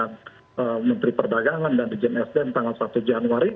dari ketua kami dalam rapat dengan menteri perdagangan dan regen sdm tanggal satu januari